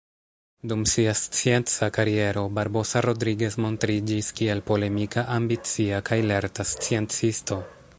Dum sia scienca kariero, Barbosa Rodriguez montriĝis kiel polemika, ambicia kaj lerta sciencisto.